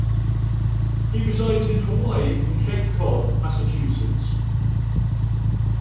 He resides in Hawaii and Cape Cod, Massachusetts.